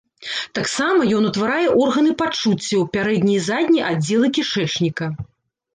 Таксама ён утварае органы пачуццяў, пярэдні і задні аддзелы кішэчніка.